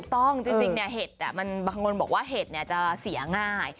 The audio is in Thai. ต้องจริงเนี่ยเห็ดมันบางคนบอกว่าเห็ดจะเสียง่าย